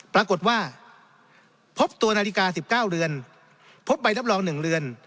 ปรากฏว่าพบตัวนาฬิกา๑๙เรือนพบใบรับรอง๑เรือน